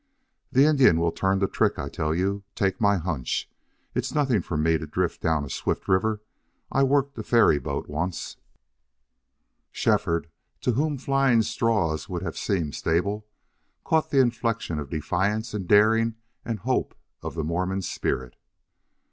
"The Indian will turn the trick, I tell you. Take my hunch. It's nothing for me to drift down a swift river. I worked a ferry boat once." Shefford, to whom flying straws would have seemed stable, caught the inflection of defiance and daring and hope of the Mormon's spirit.